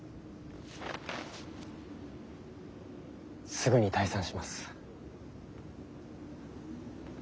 すぐに退散します。